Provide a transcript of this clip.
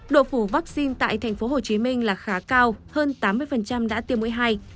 độ phủ vaccine tại tp hcm là khá cao hơn tám mươi đã tiêm mũi hai